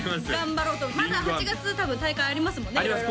まだ８月多分大会ありますもんねあります